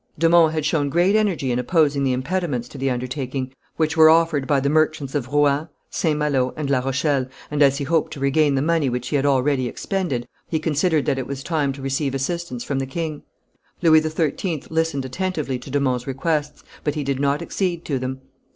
De Monts had shown great energy in opposing the impediments to the undertaking which were offered by the merchants of Rouen, St. Malo and La Rochelle, and as he hoped to regain the money which he had already expended, he considered that it was time to receive assistance from the king. Louis XIII listened attentively to de Monts' requests, but he did not accede to them.